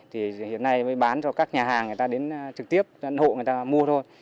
thì hiện nay mới bán cho các nhà hàng người ta đến trực tiếp hộ người ta mua thôi